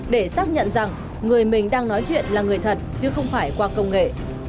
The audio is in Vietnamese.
để xác nhận rằng người mình đang nói chuyện là người thật chứ không phải qua công nghệ